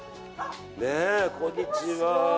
ねえこんにちは。